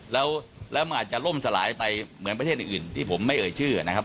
แล้วมันอาจจะล่มสลายไปเหมือนประเทศอื่นที่ผมไม่เอ่ยชื่อนะครับ